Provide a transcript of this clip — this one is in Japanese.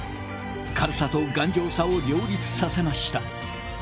軽さと頑丈さを両立させました。